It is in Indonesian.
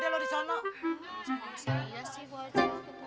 boleh aja sih asal jangan nyeselin gue pada lo disana